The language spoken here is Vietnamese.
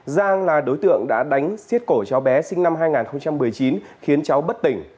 giang là đối tượng đã đánh xiết cổ cháu bé sinh năm hai nghìn một mươi chín khiến cháu bất tỉnh